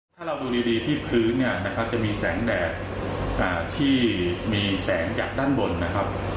ถ้าเราดูดีที่พื้นเนี่ยนะครับจะมีแสงแดดที่มีแสงจากด้านบนนะครับ